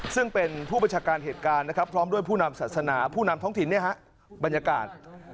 ซึ่งเป็นผู้บัญชาการเหตุการณ์นะครับพร้อมด้วยผู้นำศาสนาผู้นำท้องถิ่นบรรยากาศ